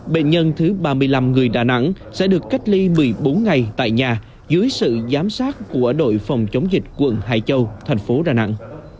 bệnh nhân thứ ba mươi năm người đà nẵng sẽ được cách ly một mươi bốn ngày tại nhà dưới sự giám sát của đội phòng chống dịch quận hải châu thành phố đà nẵng